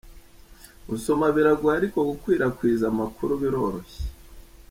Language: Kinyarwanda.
Gusoma biragoye, ariko gukwirakwiza amakuru biroroshye.